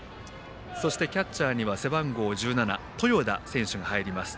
そしてキャッチャーには背番号１７の豊田選手が入ります。